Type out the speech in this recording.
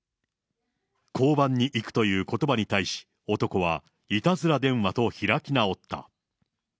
交番に行くということばに対し、男はいたずら電話と開き直った。